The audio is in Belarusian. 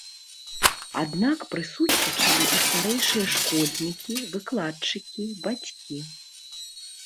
Аднак прысутнічалі і старэйшыя школьнікі, выкладчыкі, бацькі.